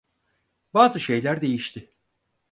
Bazı şeyler değişti.